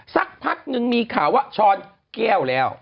สักพักนึงมีข่าวว่าช้อนแก้วแล้ว